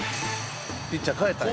ピッチャー代えたんや。